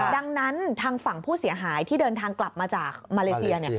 ดังนั้นทางฝั่งผู้เสียหายที่เดินทางกลับมาจากมาเลเซีย